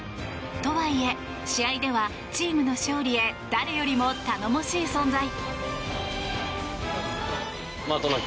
とはいえ、試合ではチームの勝利へ誰よりも頼もしい存在。